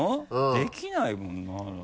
できないもんな。